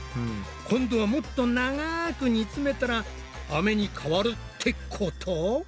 今度はもっと長く煮つめたらアメに変わるってこと？